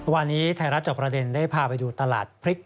วันนี้ไทยรัฐจอบประเด็นได้พาไปดูตลาดพริก